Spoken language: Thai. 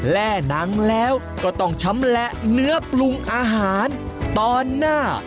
เล่นังแล้วก็ต้องชำแหละเนื้อปรุงอาหารตอนหน้า